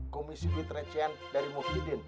komisi kutrecen dari muhyiddin